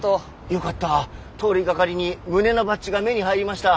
よかった通りがかりに胸のバッジが目に入りました。